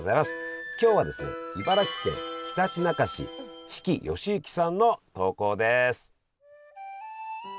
今日はですね茨城県ひたちなか市比氣好行さんの投稿です。